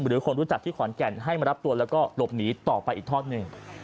หรือคนรู้จักที่ขอนแก่นให้มารับตัวแล้วก็หลบหนีต่อไปอีกทอดหนึ่ง